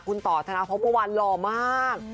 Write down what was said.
คุณต่อธนาพพบวันหล่อมาก